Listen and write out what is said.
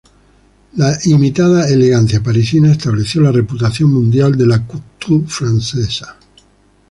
La imitada elegancia parisina estableció la reputación mundial de la "couture" francesa.